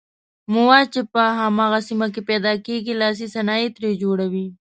مواد چې په هماغه سیمه کې پیداکیږي لاسي صنایع ترې جوړوي.